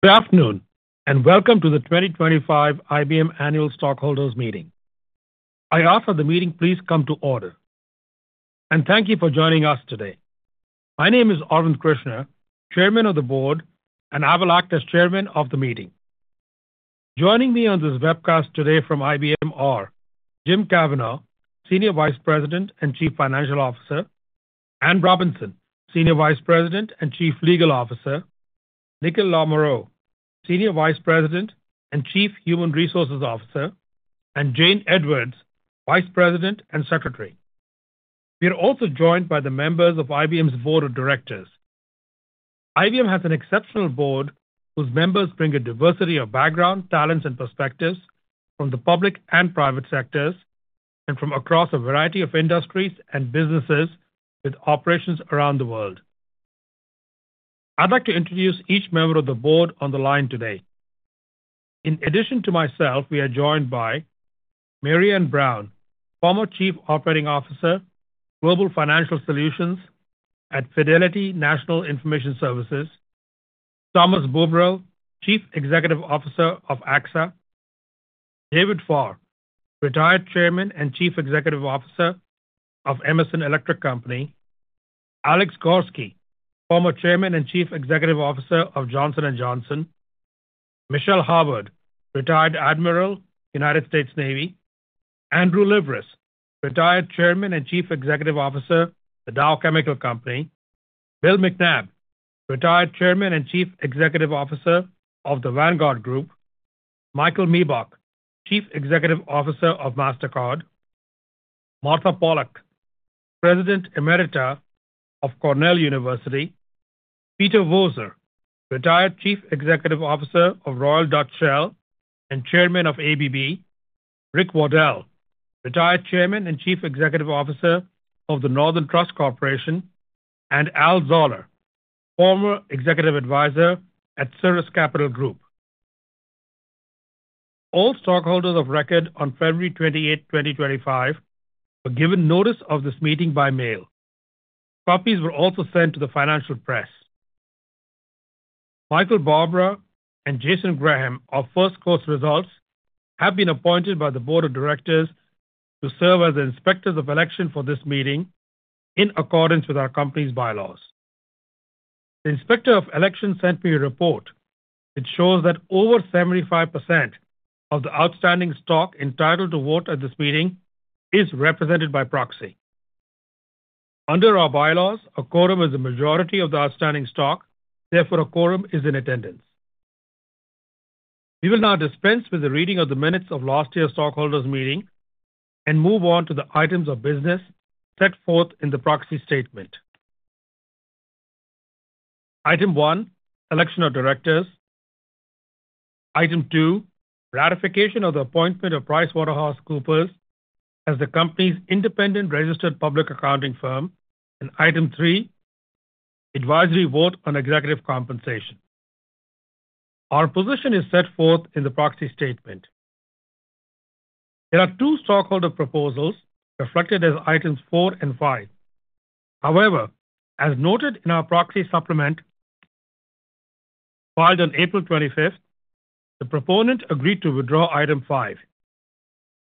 Good afternoon, and welcome to the 2025 IBM annual stockholders meeting. I ask that the meeting please come to order. Thank you for joining us today. My name is Arvind Krishna, Chairman of the Board, and I will act as Chairman of the meeting. Joining me on this webcast today from IBM are James Kavanaugh, Senior Vice President and Chief Financial Officer; Anne Robinson, Senior Vice President and Chief Legal Officer; Nikhil Leeder, Senior Vice President and Chief Human Resources Officer; and Jane Edwards, Vice President and Secretary. We are also joined by the members of IBM's Board of Directors. IBM has an exceptional board whose members bring a diversity of backgrounds, talents, and perspectives from the public and private sectors, and from across a variety of industries and businesses with operations around the world. I'd like to introduce each member of the board on the line today. In addition to myself, we are joined by Marianne Brown, former Chief Operating Officer, Global Financial Solutions at Fidelity National Information Services; Thomas Buberl, Chief Executive Officer of AXA; David Farr, retired Chairman and Chief Executive Officer of Emerson Electric Company; Alex Gorsky, former Chairman and Chief Executive Officer of Johnson & Johnson; Michelle Howard, retired Admiral, United States Navy; Andrew Liveris, retired Chairman and Chief Executive Officer of the Dow Chemical Company; Bill McNabb, retired Chairman and Chief Executive Officer of the Vanguard Group; Michael Miebach, Chief Executive Officer of Mastercard; Martha Pollack, President Emerita of Cornell University; Peter Voser, retired Chief Executive Officer of Royal Dutch Shell and Chairman of ABB; Rick Waddell, retired Chairman and Chief Executive Officer of the Northern Trust Corporation; and Al Zoller, former Executive Advisor at Suresh Capital Group. All stockholders of record on February 28, 2025, were given notice of this meeting by mail. Copies were also sent to the financial press. Michael, Barbara, and Jason Graham of First Coast Results have been appointed by the Board of Directors to serve as the Inspectors of Election for this meeting in accordance with our company's bylaws. The Inspector of Election sent me a report that shows that over 75% of the outstanding stock entitled to vote at this meeting is represented by proxy. Under our bylaws, a quorum is a majority of the outstanding stock. Therefore, a quorum is in attendance. We will now dispense with the reading of the minutes of last year's stockholders' meeting and move on to the items of business set forth in the proxy statement. Item 1, election of directors. Item 2, ratification of the appointment of PricewaterhouseCoopers as the company's independent registered public accounting firm. Item 3, advisory vote on executive compensation. Our position is set forth in the proxy statement. There are two stockholder proposals reflected as Items 4 and 5. However, as noted in our proxy supplement filed on April 25, the proponent agreed to withdraw Item 5.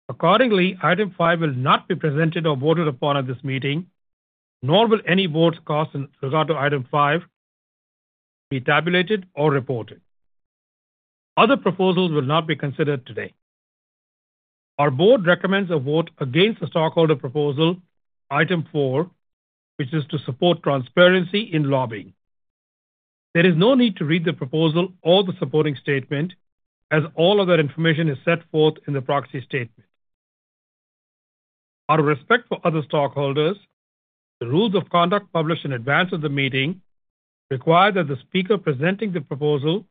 Accordingly, Item 5 will not be presented or voted upon at this meeting, nor will any board's costs in regard to Item 5 be tabulated or reported. Other proposals will not be considered today. Our board recommends a vote against the stockholder proposal, Item 4, which is to support transparency in lobbying. There is no need to read the proposal or the supporting statement, as all other information is set forth in the proxy statement. Out of respect for other stockholders, the rules of conduct published in advance of the meeting require that the speaker presenting the proposal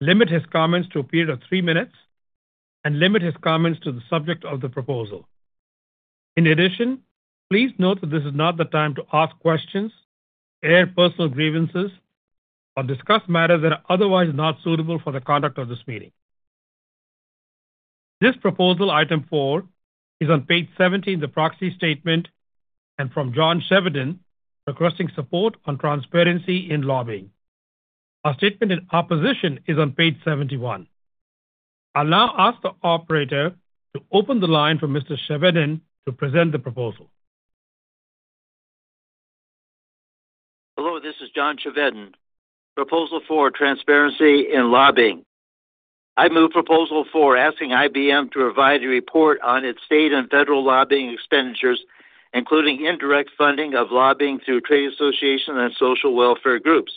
limit his comments to a period of three minutes and limit his comments to the subject of the proposal. In addition, please note that this is not the time to ask questions, air personal grievances, or discuss matters that are otherwise not suitable for the conduct of this meeting. This proposal, Item 4, is on page 70 in the proxy statement and from John Shevardin requesting support on transparency in lobbying. Our statement in opposition is on page 71. I'll now ask the operator to open the line for Mr. Shevardin to present the proposal. Hello, this is John Shevardin. Proposal 4, transparency in lobbying. I move Proposal 4, asking IBM to provide a report on its state and federal lobbying expenditures, including indirect funding of lobbying through trade associations and social welfare groups.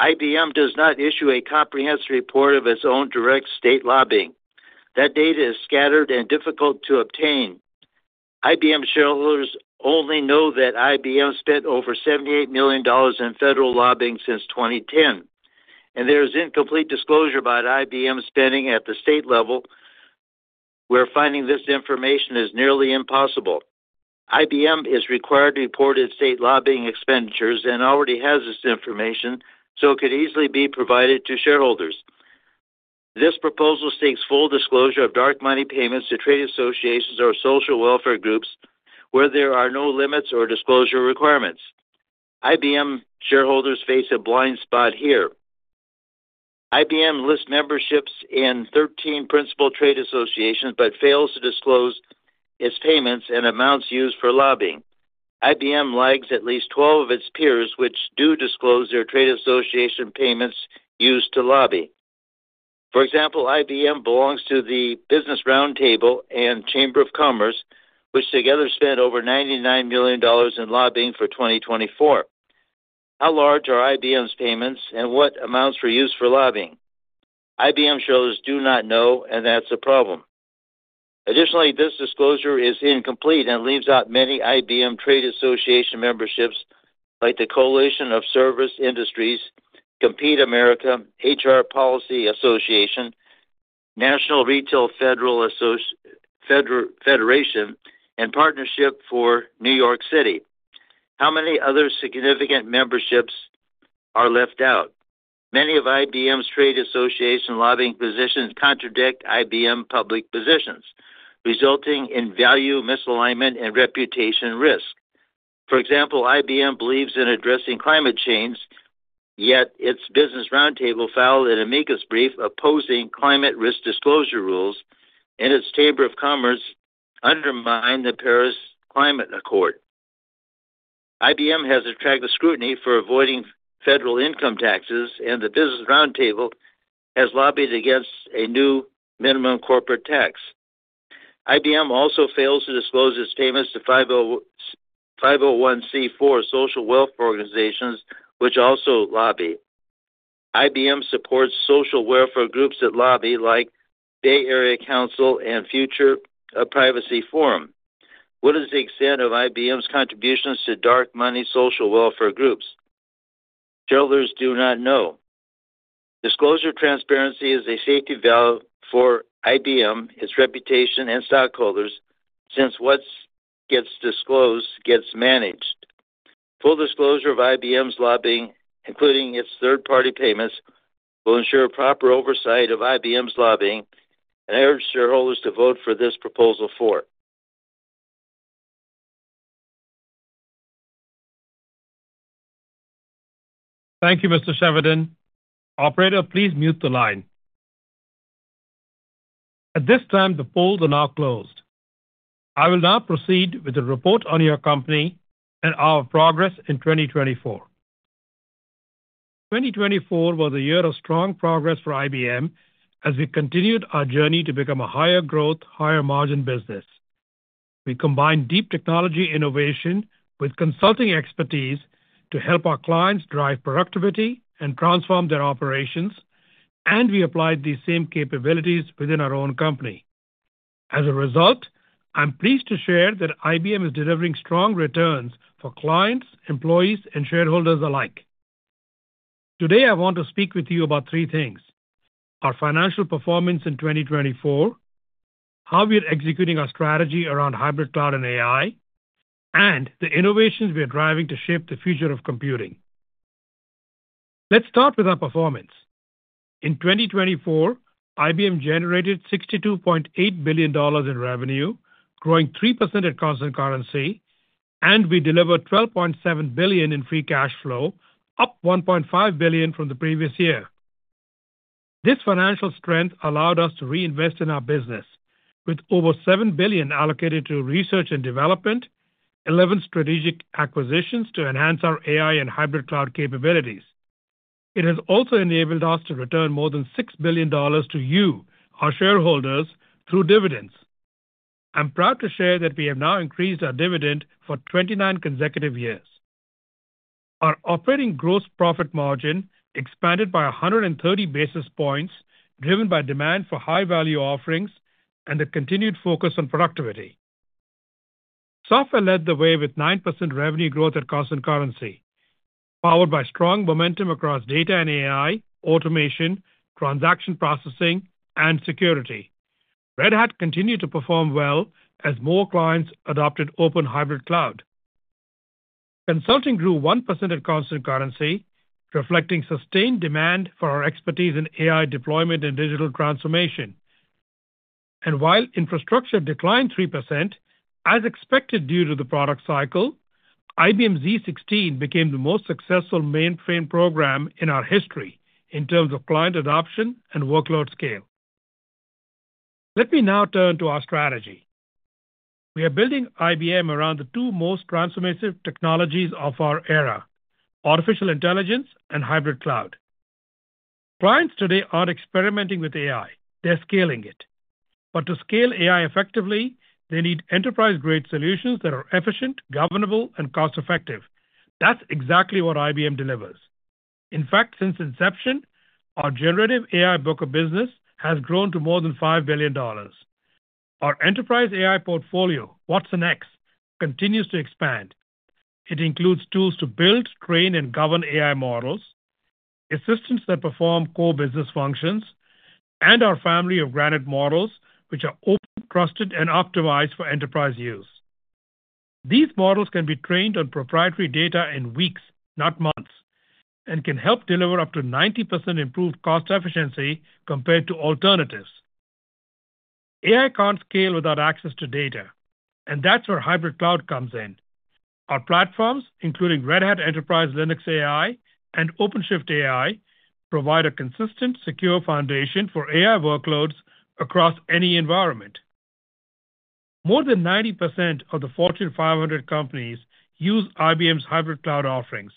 IBM does not issue a comprehensive report of its own direct state lobbying. That data is scattered and difficult to obtain. IBM shareholders only know that IBM spent over $78 million in federal lobbying since 2010, and there is incomplete disclosure about IBM's spending at the state level, where finding this information is nearly impossible. IBM is required to report its state lobbying expenditures and already has this information, so it could easily be provided to shareholders. This proposal seeks full disclosure of dark money payments to trade associations or social welfare groups, where there are no limits or disclosure requirements. IBM shareholders face a blind spot here. IBM lists memberships in 13 principal trade associations but fails to disclose its payments and amounts used for lobbying. IBM lags at least 12 of its peers, which do disclose their trade association payments used to lobby. For example, IBM belongs to the Business Roundtable and Chamber of Commerce, which together spent over $99 million in lobbying for 2024. How large are IBM's payments, and what amounts were used for lobbying? IBM shareholders do not know, and that's a problem. Additionally, this disclosure is incomplete and leaves out many IBM trade association memberships like the Coalition of Service Industries, Compete America, HR Policy Association, National Retail Federation, and Partnership for New York City. How many other significant memberships are left out? Many of IBM's trade association lobbying positions contradict IBM public positions, resulting in value misalignment and reputation risk. For example, IBM believes in addressing climate change, yet its Business Roundtable filed an amicus brief opposing climate risk disclosure rules, and its Chamber of Commerce undermined the Paris Climate Accord. IBM has attracted scrutiny for avoiding federal income taxes, and the Business Roundtable has lobbied against a new minimum corporate tax. IBM also fails to disclose its payments to 501(c)(4) social welfare organizations, which also lobby. IBM supports social welfare groups that lobby, like Bay Area Council and Future of Privacy Forum. What is the extent of IBM's contributions to dark money social welfare groups? Shareholders do not know. Disclosure transparency is a safety valve for IBM, its reputation, and stockholders, since what gets disclosed gets managed. Full disclosure of IBM's lobbying, including its third-party payments, will ensure proper oversight of IBM's lobbying, and I urge shareholders to vote for this Proposal 4. Thank you, Mr. Shevardin. Operator, please mute the line. At this time, the polls are now closed. I will now proceed with a report on your company and our progress in 2024. 2024 was a year of strong progress for IBM as we continued our journey to become a higher-growth, higher-margin business. We combined deep technology innovation with consulting expertise to help our clients drive productivity and transform their operations, and we applied these same capabilities within our own company. As a result, I'm pleased to share that IBM is delivering strong returns for clients, employees, and shareholders alike. Today, I want to speak with you about three things: our financial performance in 2024, how we are executing our strategy around hybrid cloud and AI, and the innovations we are driving to shape the future of computing. Let's start with our performance. In 2024, IBM generated $62.8 billion in revenue, growing 3% at constant currency, and we delivered $12.7 billion in free cash flow, up $1.5 billion from the previous year. This financial strength allowed us to reinvest in our business, with over $7 billion allocated to research and development, 11 strategic acquisitions to enhance our AI and hybrid cloud capabilities. It has also enabled us to return more than $6 billion to you, our shareholders, through dividends. I'm proud to share that we have now increased our dividend for 29 consecutive years. Our operating gross profit margin expanded by 130 basis points, driven by demand for high-value offerings and the continued focus on productivity. Software led the way with 9% revenue growth at constant currency, powered by strong momentum across data and AI, automation, transaction processing, and security. Red Hat continued to perform well as more clients adopted open hybrid cloud. Consulting grew 1% at constant currency, reflecting sustained demand for our expertise in AI deployment and digital transformation. While infrastructure declined 3%, as expected due to the product cycle, IBM Z16 became the most successful mainframe program in our history in terms of client adoption and workload scale. Let me now turn to our strategy. We are building IBM around the two most transformative technologies of our era: artificial intelligence and hybrid cloud. Clients today aren't experimenting with AI. They're scaling it. To scale AI effectively, they need enterprise-grade solutions that are efficient, governable, and cost-effective. That's exactly what IBM delivers. In fact, since inception, our generative AI book of business has grown to more than $5 billion. Our enterprise AI portfolio, watsonx, continues to expand. It includes tools to build, train, and govern AI models, assistants that perform core business functions, and our family of Granite models, which are open, trusted, and optimized for enterprise use. These models can be trained on proprietary data in weeks, not months, and can help deliver up to 90% improved cost efficiency compared to alternatives. AI can't scale without access to data, and that's where hybrid cloud comes in. Our platforms, including Red Hat Enterprise Linux AI and OpenShift AI, provide a consistent, secure foundation for AI workloads across any environment. More than 90% of the Fortune 500 companies use IBM's hybrid cloud offerings,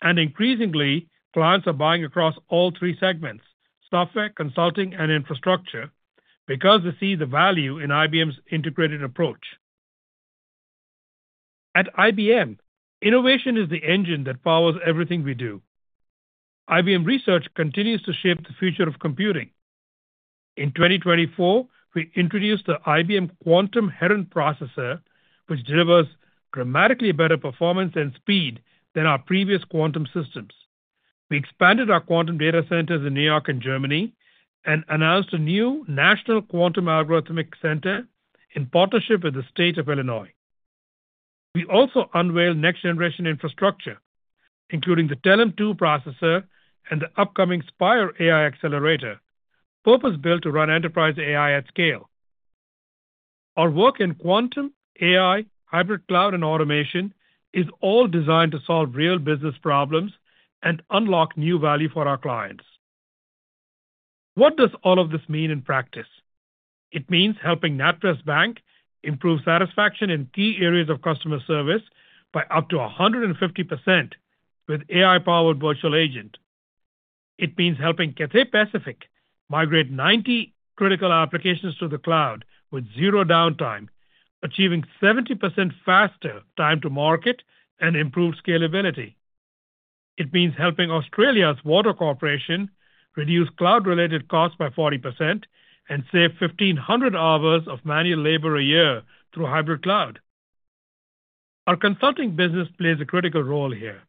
and increasingly, clients are buying across all three segments: software, consulting, and infrastructure because they see the value in IBM's integrated approach. At IBM, innovation is the engine that powers everything we do. IBM Research continues to shape the future of computing. In 2024, we introduced the IBM Quantum Heron processor, which delivers dramatically better performance and speed than our previous quantum systems. We expanded our quantum data centers in New York and Germany and announced a new national quantum algorithmic center in partnership with the state of Illinois. We also unveiled next-generation infrastructure, including the Telum 2 processor and the upcoming Spire AI accelerator, purpose-built to run enterprise AI at scale. Our work in quantum, AI, hybrid cloud, and automation is all designed to solve real business problems and unlock new value for our clients. What does all of this mean in practice? It means helping NatWest Bank improve satisfaction in key areas of customer service by up to 150% with an AI-powered virtual agent. It means helping Cathay Pacific migrate 90 critical applications to the cloud with zero downtime, achieving 70% faster time to market and improved scalability. It means helping Australia's water corporation reduce cloud-related costs by 40% and save 1,500 hours of manual labor a year through hybrid cloud. Our consulting business plays a critical role here.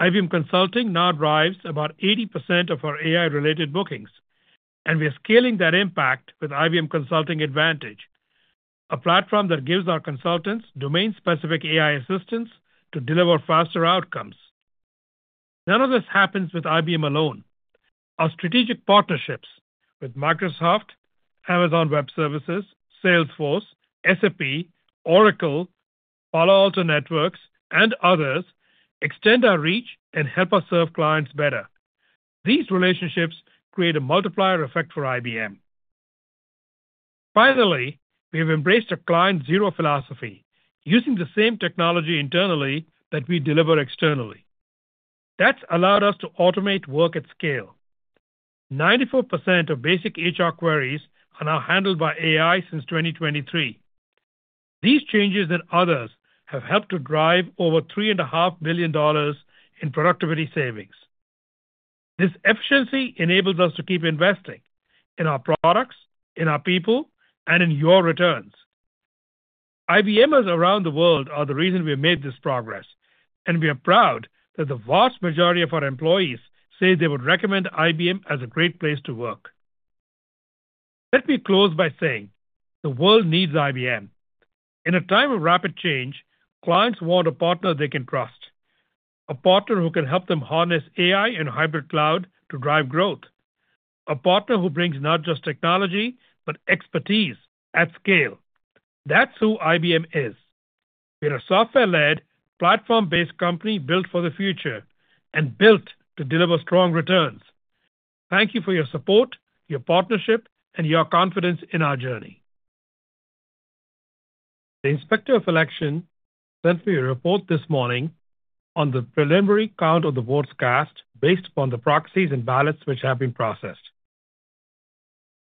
IBM Consulting now drives about 80% of our AI-related bookings, and we are scaling that impact with IBM Consulting Advantage, a platform that gives our consultants domain-specific AI assistance to deliver faster outcomes. None of this happens with IBM alone. Our strategic partnerships with Microsoft, Amazon Web Services, Salesforce, SAP, Oracle, Palo Alto Networks, and others extend our reach and help us serve clients better. These relationships create a multiplier effect for IBM. Finally, we have embraced a client-zero philosophy, using the same technology internally that we deliver externally. That's allowed us to automate work at scale. 94% of basic HR queries are now handled by AI since 2023. These changes and others have helped to drive over $3.5 billion in productivity savings. This efficiency enables us to keep investing in our products, in our people, and in your returns. IBMers around the world are the reason we have made this progress, and we are proud that the vast majority of our employees say they would recommend IBM as a great place to work. Let me close by saying, the world needs IBM. In a time of rapid change, clients want a partner they can trust, a partner who can help them harness AI and hybrid cloud to drive growth, a partner who brings not just technology but expertise at scale. That's who IBM is. We are a software-led, platform-based company built for the future and built to deliver strong returns. Thank you for your support, your partnership, and your confidence in our journey. The inspector of election sent me a report this morning on the preliminary count of the votes cast based upon the proxies and ballots which have been processed.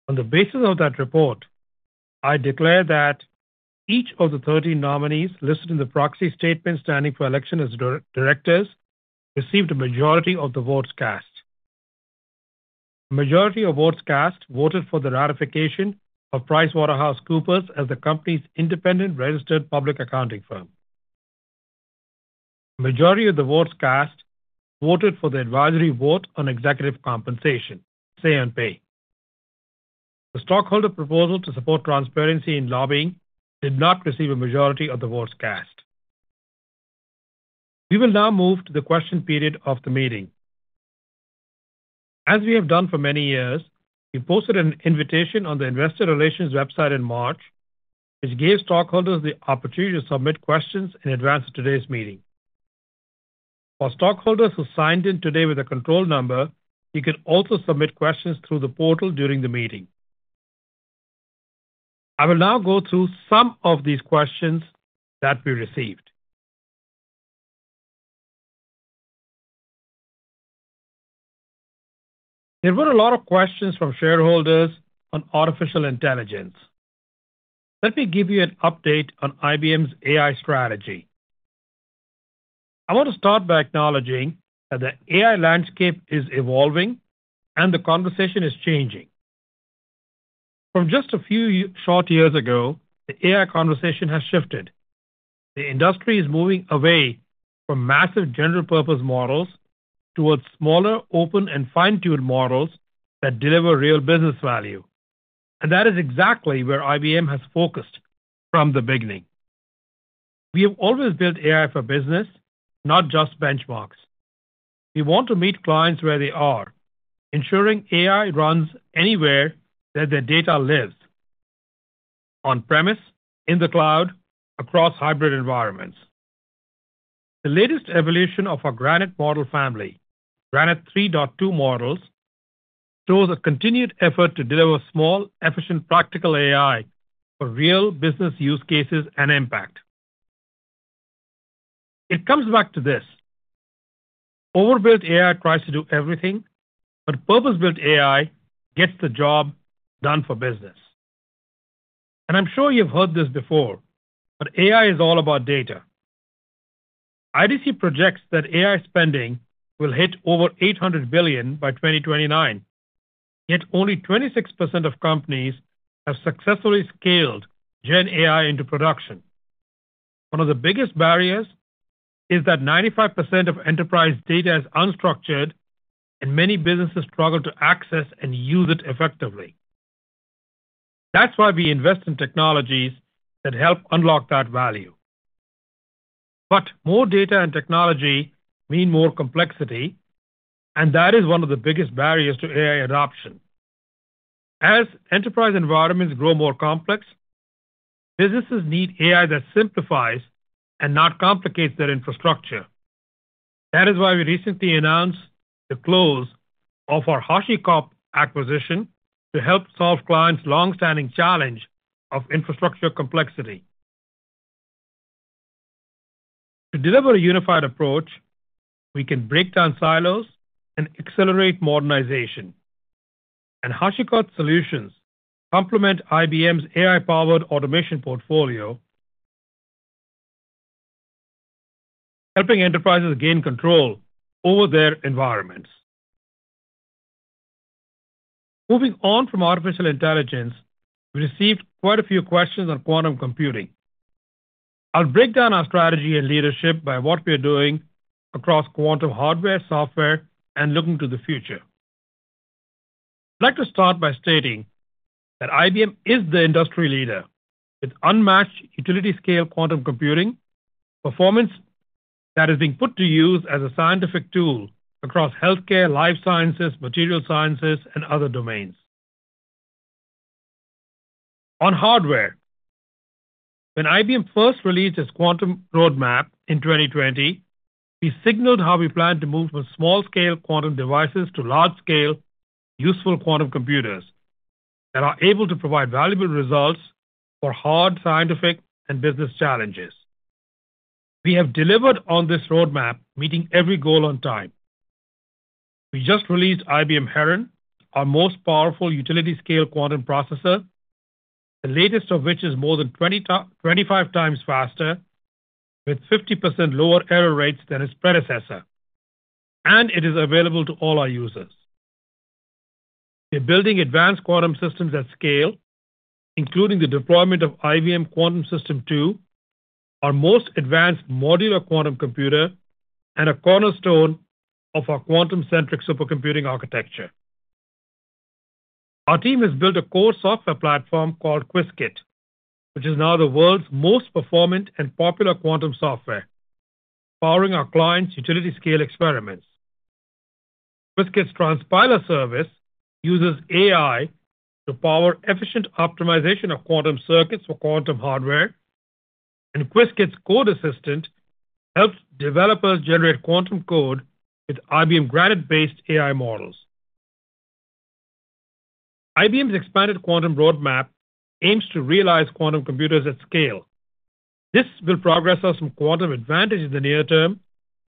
On the basis of that report, I declare that each of the 13 nominees listed in the proxy statement standing for election as directors received a majority of the votes cast. A majority of votes cast voted for the ratification of PricewaterhouseCoopers as the company's independent registered public accounting firm. A majority of the votes cast voted for the advisory vote on executive compensation, say, on pay. The stockholder proposal to support transparency in lobbying did not receive a majority of the votes cast. We will now move to the question period of the meeting. As we have done for many years, we posted an invitation on the investor relations website in March, which gave stockholders the opportunity to submit questions in advance of today's meeting. For stockholders who signed in today with a control number, you can also submit questions through the portal during the meeting. I will now go through some of these questions that we received. There were a lot of questions from shareholders on artificial intelligence. Let me give you an update on IBM's AI strategy. I want to start by acknowledging that the AI landscape is evolving, and the conversation is changing. From just a few short years ago, the AI conversation has shifted. The industry is moving away from massive general-purpose models towards smaller, open, and fine-tuned models that deliver real business value. That is exactly where IBM has focused from the beginning. We have always built AI for business, not just benchmarks. We want to meet clients where they are, ensuring AI runs anywhere that their data lives: on-premise, in the cloud, across hybrid environments. The latest evolution of our Granite model family, Granite 3.2 models, shows a continued effort to deliver small, efficient, practical AI for real business use cases and impact. It comes back to this. Overbuilt AI tries to do everything, but purpose-built AI gets the job done for business. I'm sure you've heard this before, but AI is all about data. IDC projects that AI spending will hit over $800 billion by 2029, yet only 26% of companies have successfully scaled GenAI into production. One of the biggest barriers is that 95% of enterprise data is unstructured, and many businesses struggle to access and use it effectively. That's why we invest in technologies that help unlock that value. More data and technology mean more complexity, and that is one of the biggest barriers to AI adoption. As enterprise environments grow more complex, businesses need AI that simplifies and not complicates their infrastructure. That is why we recently announced the close of our HashiCorp acquisition to help solve clients' long-standing challenge of infrastructure complexity. To deliver a unified approach, we can break down silos and accelerate modernization. HashiCorp's solutions complement IBM's AI-powered automation portfolio, helping enterprises gain control over their environments. Moving on from artificial intelligence, we received quite a few questions on quantum computing. I'll break down our strategy and leadership by what we are doing across quantum hardware, software, and looking to the future. I'd like to start by stating that IBM is the industry leader with unmatched utility-scale quantum computing performance that is being put to use as a scientific tool across healthcare, life sciences, material sciences, and other domains. On hardware, when IBM first released its quantum roadmap in 2020, we signaled how we plan to move from small-scale quantum devices to large-scale, useful quantum computers that are able to provide valuable results for hard scientific and business challenges. We have delivered on this roadmap, meeting every goal on time. We just released IBM Quantum Heron, our most powerful utility-scale quantum processor, the latest of which is more than 25 times faster, with 50% lower error rates than its predecessor, and it is available to all our users. We are building advanced quantum systems at scale, including the deployment of IBM Quantum System 2, our most advanced modular quantum computer, and a cornerstone of our quantum-centric supercomputing architecture. Our team has built a core software platform called Qiskit, which is now the world's most performant and popular quantum software, powering our clients' utility-scale experiments. Qiskit's Transpiler service uses AI to power efficient optimization of quantum circuits for quantum hardware, and Qiskit's Code Assistant helps developers generate quantum code with IBM Granite-based AI models. IBM's expanded quantum roadmap aims to realize quantum computers at scale. This will progress us from quantum advantage in the near term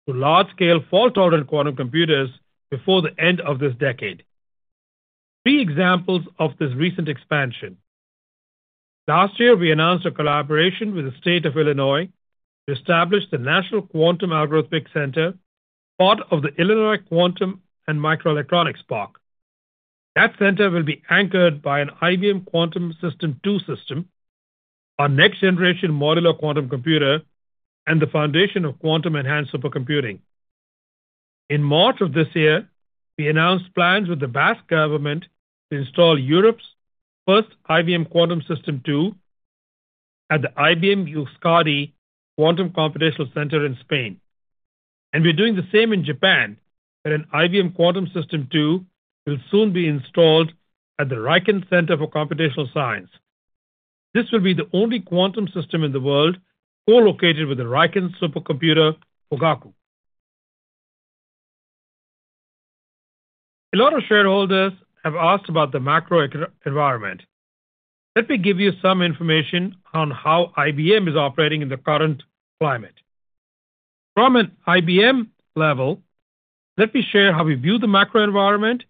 to large-scale fault-tolerant quantum computers before the end of this decade. Three examples of this recent expansion: last year, we announced a collaboration with the state of Illinois to establish the National Quantum Algorithmic Center, part of the Illinois Quantum and Microelectronics Park. That center will be anchored by an IBM Quantum System 2 system, our next-generation modular quantum computer, and the foundation of quantum-enhanced supercomputing. In March of this year, we announced plans with the Basque government to install Europe's first IBM Quantum System 2 at the IBM USCADI Quantum Computational Center in Spain. We are doing the same in Japan, where an IBM Quantum System 2 will soon be installed at the RIKEN Center for Computational Science. This will be the only quantum system in the world co-located with the RIKEN supercomputer Fugaku. A lot of shareholders have asked about the macro environment. Let me give you some information on how IBM is operating in the current climate. From an IBM level, let me share how we view the macro environment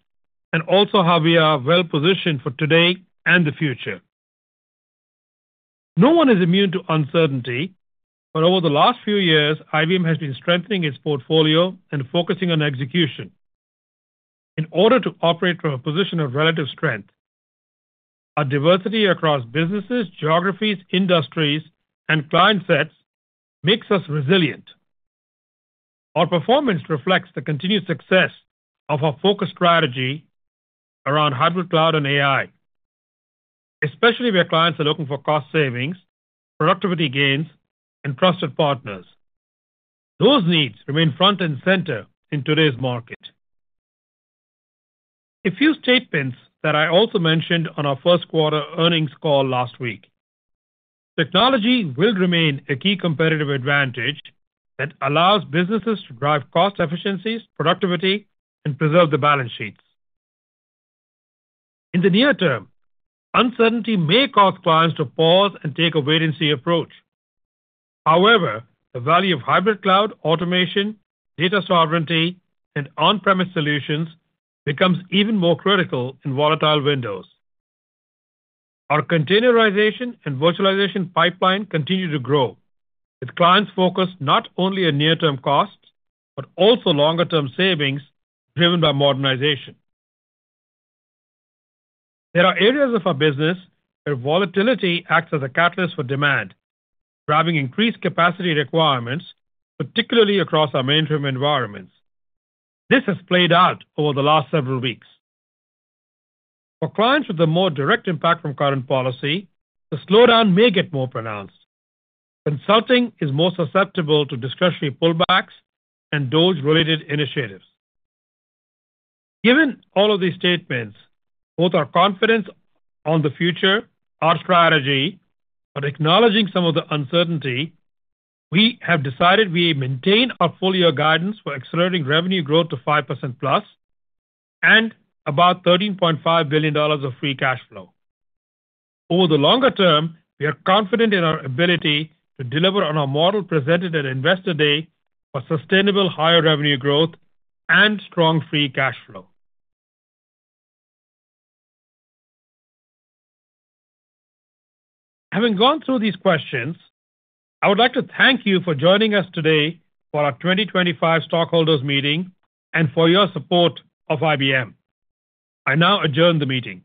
and also how we are well-positioned for today and the future. No one is immune to uncertainty, but over the last few years, IBM has been strengthening its portfolio and focusing on execution. In order to operate from a position of relative strength, our diversity across businesses, geographies, industries, and client sets makes us resilient. Our performance reflects the continued success of our focused strategy around hybrid cloud and AI, especially where clients are looking for cost savings, productivity gains, and trusted partners. Those needs remain front and center in today's market. A few statements that I also mentioned on our first quarter earnings call last week: technology will remain a key competitive advantage that allows businesses to drive cost efficiencies, productivity, and preserve the balance sheets. In the near term, uncertainty may cause clients to pause and take a wait-and-see approach. However, the value of hybrid cloud, automation, data sovereignty, and on-premise solutions becomes even more critical in volatile windows. Our containerization and virtualization pipeline continue to grow, with clients focused not only on near-term costs but also longer-term savings driven by modernization. There are areas of our business where volatility acts as a catalyst for demand, driving increased capacity requirements, particularly across our mainframe environments. This has played out over the last several weeks. For clients with a more direct impact from current policy, the slowdown may get more pronounced. Consulting is more susceptible to discretionary pullbacks and DOGE-related initiatives. Given all of these statements, both our confidence on the future, our strategy, but acknowledging some of the uncertainty, we have decided we maintain our four-year guidance for accelerating revenue growth to 5% plus and about $13.5 billion of free cash flow. Over the longer term, we are confident in our ability to deliver on our model presented at Investor Day for sustainable higher revenue growth and strong free cash flow. Having gone through these questions, I would like to thank you for joining us today for our 2025 stockholders meeting and for your support of IBM. I now adjourn the meeting.